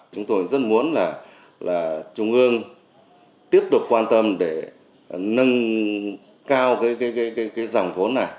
chúng tôi rất muốn là trung ương tiếp tục quan tâm để nâng cao cái dòng vốn này